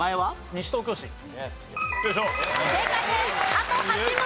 あと８問！